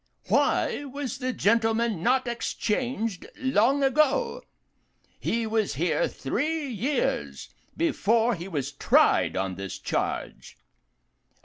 Why was the gentleman not exchanged long ago? He was here three years before he was tried on this charge.